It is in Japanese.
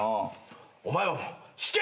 お前死刑！